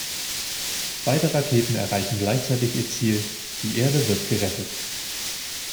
Beide Raketen erreichen gleichzeitig ihr Ziel, die Erde wird gerettet.